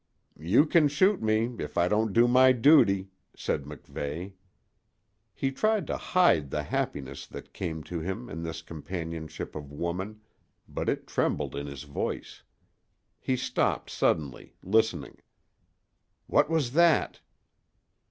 "You can shoot me if I don't do my duty," said MacVeigh. He tried to hide the happiness that came to him in this companionship of woman, but it trembled in his voice. He stopped suddenly, listening. "What was that?"